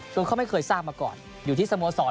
คือเขาไม่เคยทราบมาก่อนอยู่ที่สโมสร